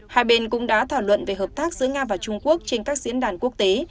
hai bên cũng đã thảo luận về hợp tác giữa nga và trung quốc trên các diễn đàn quốc tế